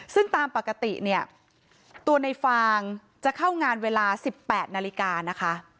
ซึ่งตามปกติเนี่ยตัวในฟางจะเข้างานเวลา๑๘นาฬิกานะคะ